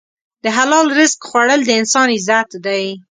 د حلال رزق خوړل د انسان عزت دی.